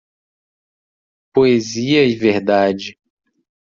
Poesia e verdade.